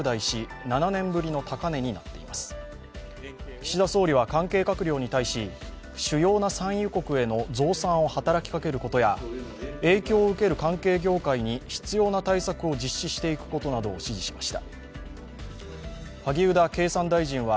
岸田総理は関係閣僚に対し、主要な産油国への増産を働きかけることや影響を受ける関係業界に必要な対策を実施していくことなどを指示しました。